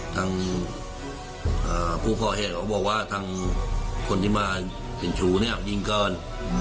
ทั้งผู้พอเหตุก็บอกว่าทั้งคนที่มาเป็นชูเนี่ยยิงเกิ้ล